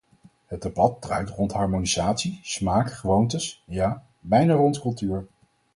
Het debat draait rond harmonisatie, smaak, gewoontes, ja, bijna rond cultuur.